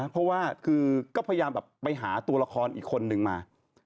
เพราะว่าคือก็พยายามแบบไปหาตัวละครอีกคนนึงมา